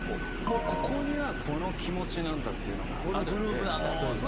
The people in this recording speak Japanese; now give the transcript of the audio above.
もうここにはこの気持ちなんだっていうのがあるんで。